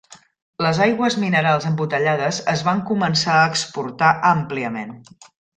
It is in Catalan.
Les aigües minerals embotellades es van començar a exportar àmpliament.